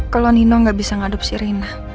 kalau nino gak bisa mengadopsi rena